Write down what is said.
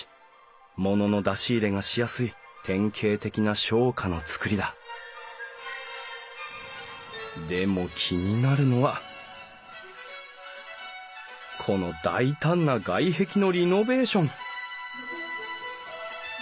ものの出し入れがしやすい典型的な商家の造りだでも気になるのはこの大胆な外壁のリノベーション！